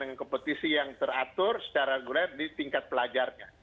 dengan kompetisi yang teratur secara reguler di tingkat pelajarnya